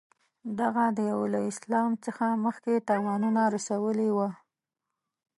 دغه دېو له اسلام څخه مخکې تاوانونه رسولي وه.